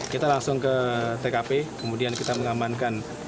kita langsung ke tkp kemudian kita mengamankan